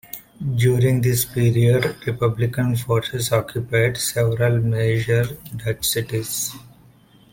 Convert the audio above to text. During this period, republican forces occupied several major Dutch cities.